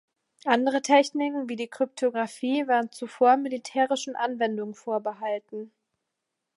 Andere Techniken wie die Kryptographie waren zuvor militärischen Anwendungen vorbehalten.